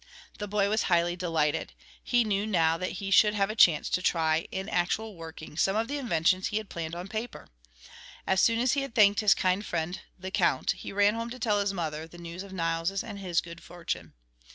The boy was highly delighted; he knew that now he should have a chance to try in actual working some of the inventions he had planned on paper. As soon as he had thanked his kind friend the Count he ran home to tell his mother the news of Nils' and his good fortune.